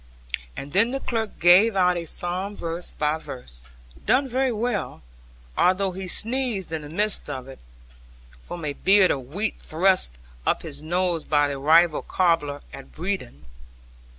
And then the clerk gave out a psalm verse by verse, done very well; although he sneezed in the midst of it, from a beard of wheat thrust up his nose by the rival cobbler at Brendon.